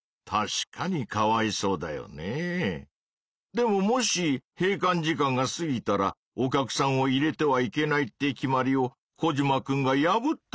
でももし閉館時間が過ぎたらお客さんを入れてはいけないって決まりをコジマくんが破ったらどうなるの？